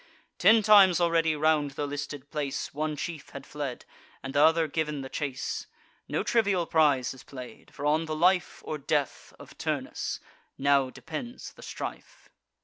Ten times already round the listed place One chief had fled, and t' other giv'n the chase: No trivial prize is play'd; for on the life Or death of Turnus now depends the strife.